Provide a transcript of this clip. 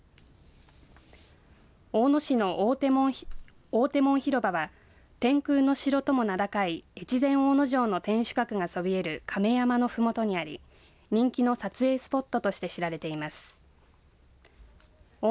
大野市の大手門広場は天空の城とも名高い越前大野城の天守閣がそびえる亀山のふもとにあり人気の撮影スポットとして知られています。